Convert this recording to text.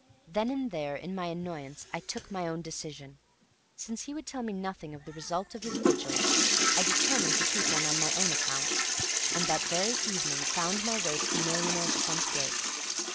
Then and there, in my annoyance, I took my own decision. Since he would tell me nothing of the result of his vigils, I determined to keep one on my own account, and that very evening found my way to the millionaire's front gates.